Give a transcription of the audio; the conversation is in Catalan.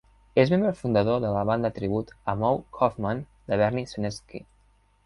És membre fundador de la banda tribut a Moe Koffman de Bernie Senensky.